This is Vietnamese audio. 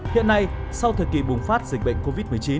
hiện nay sau thời kỳ bùng phát dịch bệnh covid một mươi chín